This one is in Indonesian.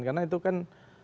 karena itu kan